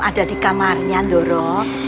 ada di kamarnya doro